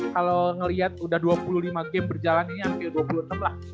kalau ngelihat udah dua puluh lima game berjalan ini hampir dua puluh enam lah